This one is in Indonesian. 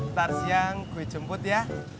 ntar siang gue jemput ya